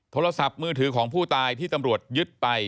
โทรศัพท์มือถือของผู้ตายที่ตำรวจยึดไป